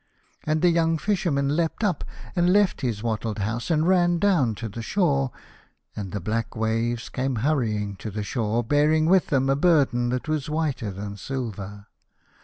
And the young Fisherman leapt up, and left his wattled house, and ran down to the shore. And the black waves came hurrying to the shore, bearing with them a burden that was whiter than silver.